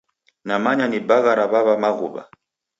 Namanya ni bagha ra w'aw'a Maghuwa.